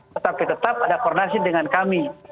tetapi tetap ada koordinasi dengan kami